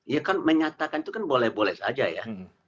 ya kan menyatakan itu kan boleh boleh saja ya